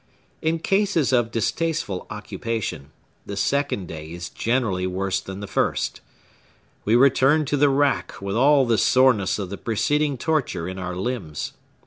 In cases of distasteful occupation, the second day is generally worse than the first. We return to the rack with all the soreness of the preceding torture in our limbs.